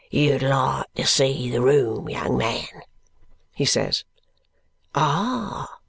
"You'd like to see the room, young man?" he says. "Ah!